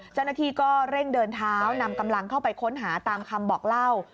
เจ้าหน้าที่ก็เร่งเดินเท้านำกำลังเข้าไปค้นหาตามคำบอกเล่า